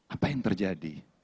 apa yang terjadi